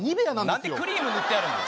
何でクリーム塗ってあるの？